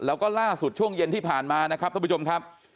แล้วก็ล่าสุดช่วงเย็นที่ผ่านมานะครับท่านผู้ชมครับ